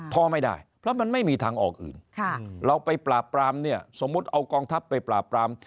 พอไม่ได้เพราะมันไม่มีทางออกอื่นเราไปปราบปรามเนี่ยสมมุติเอากองทัพไปปราบปราม